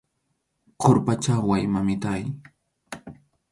Qurpachaway, mamitáy.